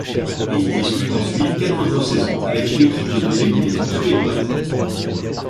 Il dispute ensuite quatre autres saisons avec l'équipe de deuxième division suédoise.